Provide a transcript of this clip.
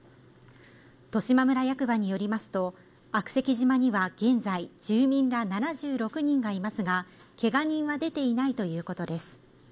十島村役場によりますと悪石島には現在住民ら７６人がいますがけが人は出ていないということです